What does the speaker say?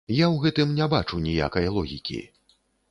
Я ў гэтым не бачу ніякай логікі.